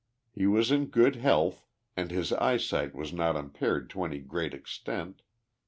He was in good health, and his eyesight was not impaired to any great extent.